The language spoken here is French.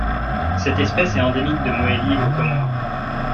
Cette espèce est endémique de Mohéli aux Comores.